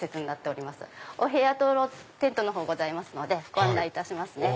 お部屋とテントのほうございますのでご案内いたしますね。